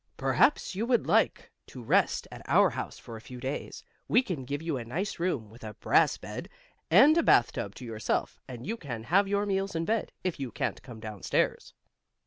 "Perhaps you would like to rest at our house for a few days. We can give you a nice room, with a brass bed, and a bath tub to yourself, and you can have your meals in bed, if you can't come down stairs."